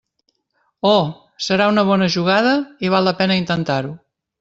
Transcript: Oh!, serà una bona jugada, i val la pena d'intentar-ho.